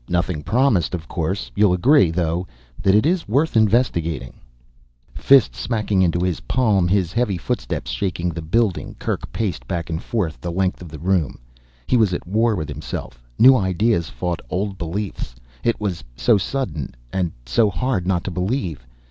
Nothing promised, of course. You'll agree, though, that it is worth investigating." Fist smacking into his palm, his heavy footsteps shaking the building, Kerk paced back and forth the length of the room. He was at war with himself. New ideas fought old beliefs. It was so sudden and so hard not to believe.